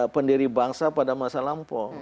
pendiri bangsa pada masa lampau